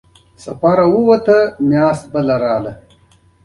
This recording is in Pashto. وایسرا د روسی هیات له وتلو څه میاشت وروسته ولیکل.